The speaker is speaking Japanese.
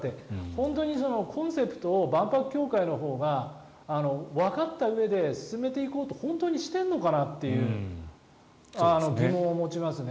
本当にコンセプトを万博協会のほうがわかったうえで進めていこうと本当にしているのかなという疑問を持ちますね。